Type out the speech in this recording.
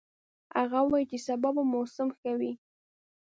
هغه وایي چې سبا به موسم ښه وي